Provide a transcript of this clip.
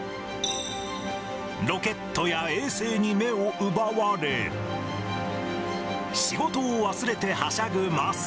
ロケットや衛星に目を奪われ、仕事を忘れてはしゃぐ桝。